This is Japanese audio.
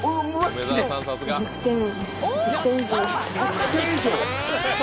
１００点以上？